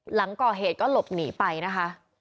หลังก่อเหตุก็หลบหนีไปนะคะ